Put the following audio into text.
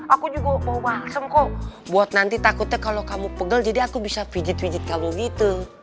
aku juga oh walem kok buat nanti takutnya kalau kamu pegel jadi aku bisa pijit pijit kamu gitu